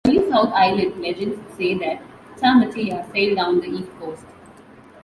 Early South Island legends say that Tamatea sailed down the east coast.